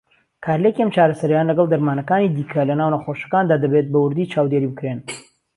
کارلێکی ئەم چارەسەریانە لەگەڵ دەرمانەکانی دیکه لەناو نەخۆشەکاندا دەبێت بە وردی چاودێری بکرێن.